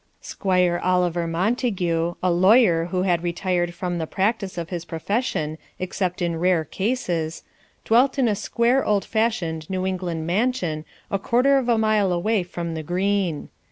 Squire Oliver Montague, a lawyer who had retired from the practice of his profession except in rare cases, dwelt in a square old fashioned New England mansion a quarter of a mile away from the green.